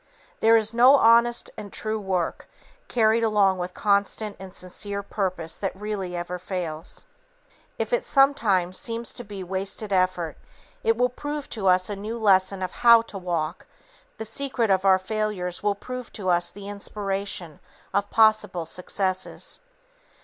There is no honest and true work, carried along with constant and sincere purpose that ever really fails. If it sometime seem to be wasted effort, it will prove to us a new lesson of "how" to walk; the secret of our failures will prove to us the inspiration of possible successes.